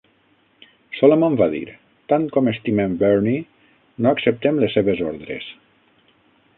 Solomon va dir: "Tant com estimem Bernie, no acceptem les seves ordres".